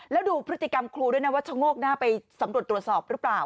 แล้วดูพฤติกรรมครูด้วยนะว่าชะโงกหน้าไปสำรวจตรวจสอบหรือเปล่า